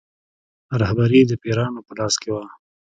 رهبري یې د پیرانو په لاس کې وه.